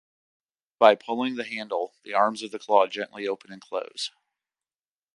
By pulling the handle, the arms of the claw gently open and close.